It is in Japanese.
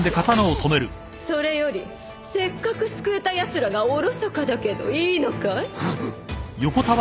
それよりせっかく救えたやつらがおろそかだけどいいのかい？